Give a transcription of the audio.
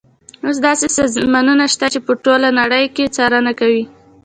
اوس داسې سازمانونه شته چې په ټوله نړۍ کې څارنه کوي.